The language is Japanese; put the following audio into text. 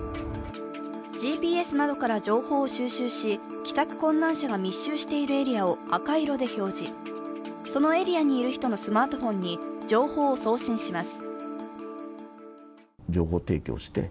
ＧＰＳなどから情報を収集し帰宅困難者が密集しているエリアを赤色で表示そのエリアにいる人のスマートフォンに情報を送信します。